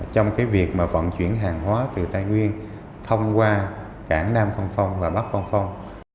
trong việc vận chuyển hàng hóa từ tây nguyên thông qua cảng nam vân phong và bắc vân phong